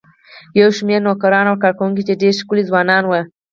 یو شمېر نوکران او کارکوونکي چې ډېر ښکلي ځوانان وو.